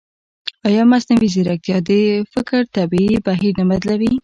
ایا مصنوعي ځیرکتیا د فکر طبیعي بهیر نه بدلوي؟